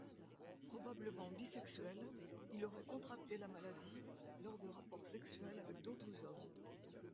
Probablement bisexuel, il aurait contracté la maladie lors de rapports sexuels avec d'autres hommes.